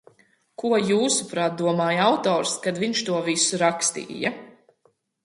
Ko, jūsuprāt, domāja autors, kad viņš to visu rakstīja?